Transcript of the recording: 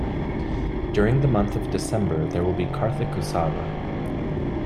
During the month of December there will be Karthikotsava.